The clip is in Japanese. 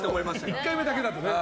１回目だけだとね。